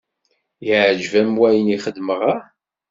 Yeɛǧb-am wayen i xedmeɣ ah?